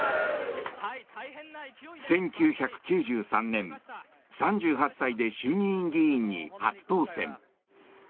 １９９３年、３８歳で衆議院議員に初当選。